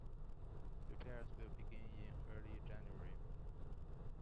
Repairs will begin in early January.